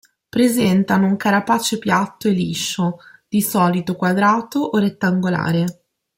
Presentano un carapace piatto e liscio, di solito quadrato o rettangolare.